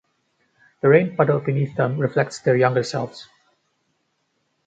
The rain puddle beneath them reflects their younger selves.